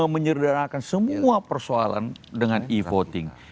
menyederhanakan semua persoalan dengan e voting